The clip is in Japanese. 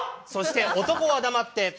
そして男は黙って。